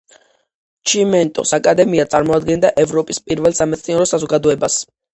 ჩიმენტოს აკადემია წარმოადგენდა ევროპის პირველ სამეცნიერო საზოგადოებას.